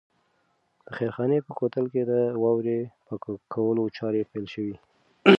د خیرخانې په کوتل کې د واورې پاکولو چارې پیل شوې.